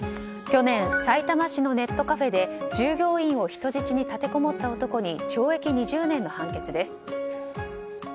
去年さいたま市のネットカフェで従業員を人質に立てこもった男に懲役２０年の判決です。